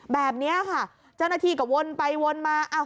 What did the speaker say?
แบบนี้ค่ะเจ้าหน้าที่ก็วนไปวนมา